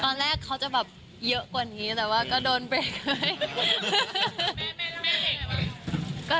ตอนแรกเขาจะแบบเยอะกว่านี้แต่ว่าก็โดนไปเลย